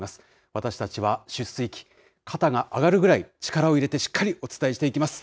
私たちは出水期、肩が上がるぐらい、力を入れてしっかりお伝えしていきます。